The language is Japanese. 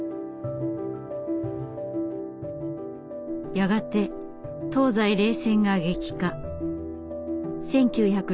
やがて東西冷戦が激化。